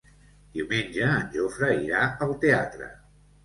Diumenge en Jofre irà al teatre.